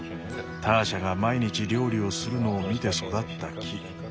ターシャが毎日料理をするのを見て育った木。